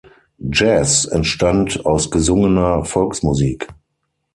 Jazz entstand aus gesungener Volksmusik.